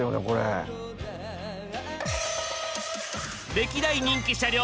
歴代人気車両